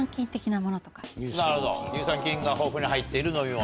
なるほど乳酸菌が豊富に入っている飲み物。